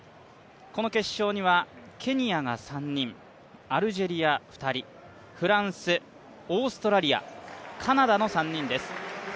この決勝にはケニアが３人、アルジェリア２人、フランス、オーストラリア、カナダの３人です。